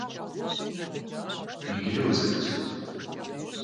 Yicıri khızet!